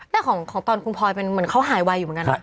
แต่ของตอนคุณพลอยเป็นเหมือนเขาหายไวอยู่เหมือนกันนะ